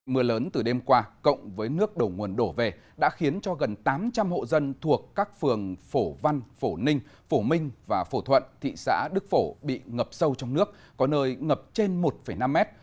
mưa lớn từ đêm qua cộng với nước đầu nguồn đổ về đã khiến cho gần tám trăm linh hộ dân thuộc các phường phổ văn phổ ninh phổ minh và phổ thuận thị xã đức phổ bị ngập sâu trong nước có nơi ngập trên một năm mét